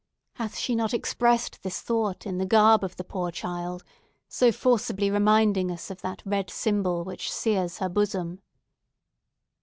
Hath she not expressed this thought in the garb of the poor child, so forcibly reminding us of that red symbol which sears her bosom?"